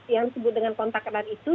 yang disebut dengan kontak erat itu